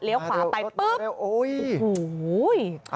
เลี้ยวขวาไปปุ๊บโอ้โห